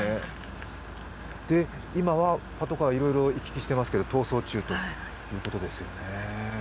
今はパトカーいろいろ行き来してますけど、逃走中ということですね